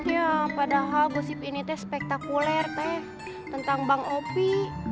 ya padahal gosip ini teh spektakuler teh tentang bang opi